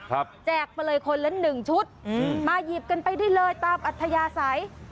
แจกไปเลยคนละหนึ่งชุดอืมมาหยิบกันไปได้เลยตามอัธยาศัย